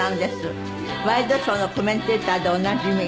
ワイドショーのコメンテーターでおなじみ。